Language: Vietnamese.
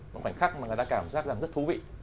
một khoảnh khắc mà người ta cảm giác rằng rất thú vị